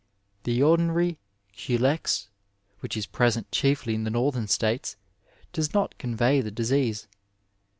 The ordinary Culex, which is present chiefly in the Northern States, does not convey the disease.